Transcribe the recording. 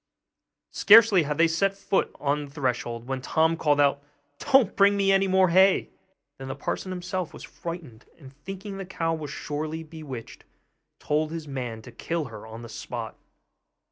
Scarcely had they set foot on the threshold, when Tom called out, 'Don't bring me any more hay!' Then the parson himself was frightened; and thinking the cow was surely bewitched, told his man to kill her on the spot.